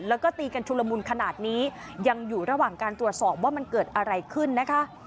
แล้วก็ตีกันชุลมุนขนาดนี้ยังอยู่ระหว่างการตรวจสอบว่ามันเกิดอะไรขึ้นนะคะ